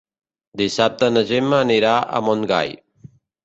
Dissabte na Gemma anirà a Montgai.